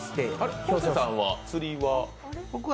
昴生さんは釣りは？